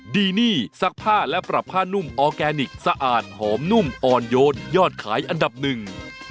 ดีนี่ซักผ้าและปรับผ้านุ่มออร์แกนิคสะอาดหอมนุ่มอ่อนโยนยอดขายอันดับหนึ่ง